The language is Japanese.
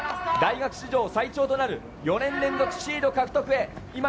大学史上最長となる４年連続シード獲得へ。